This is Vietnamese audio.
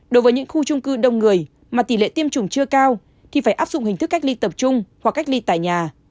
đối với những khu trung cư đông người mà tỷ lệ tiêm chủng chưa cao thì phải áp dụng hình thức cách ly tập trung hoặc cách ly tại nhà